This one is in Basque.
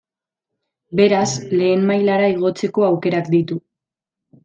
Beraz, lehen mailara igotzeko aukerak ditu.